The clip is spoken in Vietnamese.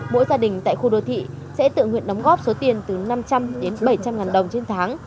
mỗi gia đình tại khu đô thị sẽ tự nguyện đóng góp số tiền từ năm trăm linh đến bảy trăm linh ngàn đồng trên tháng